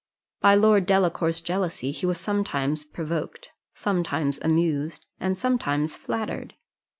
By Lord Delacour's jealousy he was sometimes provoked, sometimes amused, and sometimes flattered.